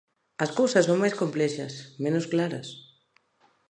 As cousas son máis complexas, menos claras.